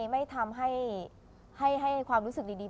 ไม่ทำให้ความรู้สึกดี